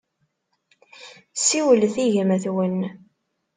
Siwlet i gma-twen.